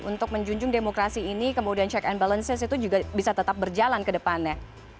untuk menjunjung demokrasi ini kemudian check and balances itu juga bisa tetap berjalan ke depannya